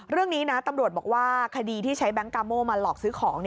เรื่องนี้นะตำรวจบอกว่าคดีที่ใช้แบงค์กาโม่มาหลอกซื้อของ